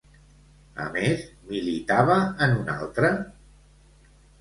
A més, militava en un altre?